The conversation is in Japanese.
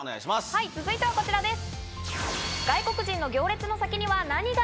はい続いてはこちらです。